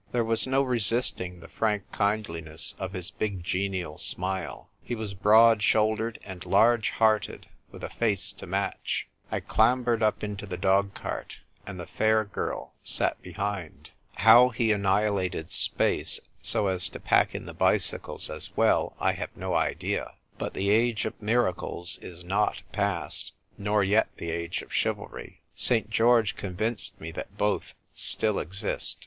There was no resisting the frank kindliness of his big genial smile. He was broad shouldered and large hearted, with a face to match. I clambered up into the dog cart, and the fair girl sat behind. How he annihilated space so as to pack in the bicycles as well I have no idea. But the age of miracles is not past, nor yet the age of chivalry. St. George convinced me that both still exist.